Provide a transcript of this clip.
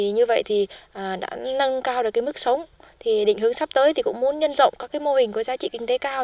như vậy thì đã nâng cao được mức sống định hướng sắp tới cũng muốn nhân rộng các mô hình có giá trị kinh tế cao